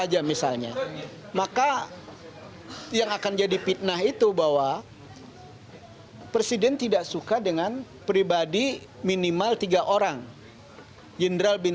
jangan lupa like share dan subscribe